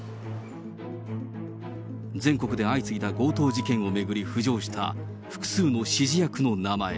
全国で相次いだ強盗事件を巡り、浮上した複数の指示役の名前。